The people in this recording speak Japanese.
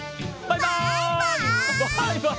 バイバイ！